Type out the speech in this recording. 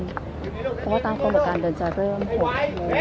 เพราะว่าตามความเหลือการเดินจะเริ่ม๖โมง